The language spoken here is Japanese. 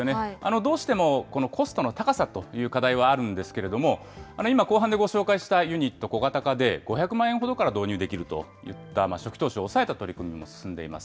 どうしてもコストの高さという課題はあるんですけれども、今、後半でご紹介したユニット、小型化で５００万円ほどから導入できるといった、初期投資を抑えた取り組みも進んでいます。